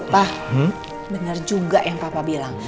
pak benar juga yang papa bilang